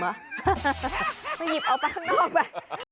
หยิบเอาไปข้างนอกไป